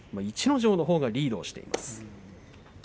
逸ノ城のほうがリードしています。